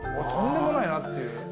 とんでもないなっていう。